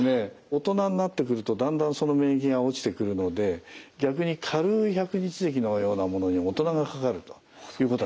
大人になってくるとだんだんその免疫が落ちてくるので逆に軽い百日ぜきのようなものに大人がかかるということがあります。